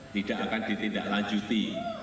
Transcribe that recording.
tidak akan ditindaklanjuti